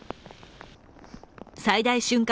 最大瞬間